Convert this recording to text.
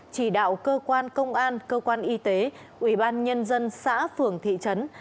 chỉ đạo cơ quan công an cơ quan y tế ủy ban nhân dân xã phường thị trấn